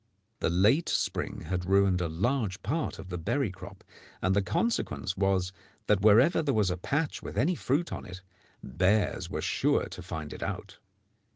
The late spring had ruined a large part of the berry crop, and the consequence was that, wherever there was a patch with any fruit on it, bears were sure to find it out.